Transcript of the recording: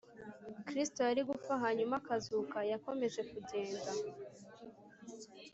Kristo yari gupfa hanyuma akazuka Yakomeje kugenda